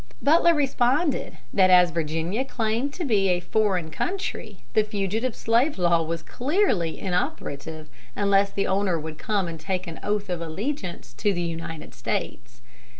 Butler responded that as Virginia claimed to be a foreign country the fugitive slave law was clearly inoperative, unless the owner would come and take an oath of allegiance to the United States.